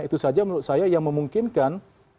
itu saja menurut saya yang memungkinkan